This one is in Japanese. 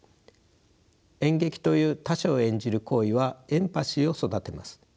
演劇という他者を演じる行為はエンパシーを育てます。